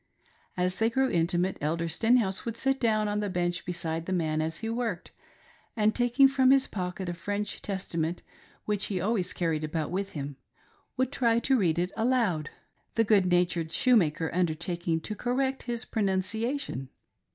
As they grew intimate. Elder Stenhouse would sit down on the bench beside the man as he worked, and taking from his pocket a French Testa ment, which he always carried about with him, would try to read it aloud — the good natured shoemaker undertaking to cor rect his pronunciation.